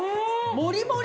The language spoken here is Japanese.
もりもり。